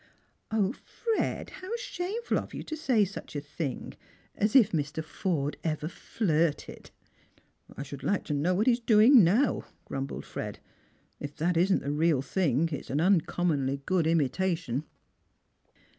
" 0, Fred, how shameful of you to say such a thing ! Aa if Mr. Forde ever flirted !"" I should like to know what he's doing now," grim? bled Fred. " If that isn't the real thing, it's an uncommonly good imitation."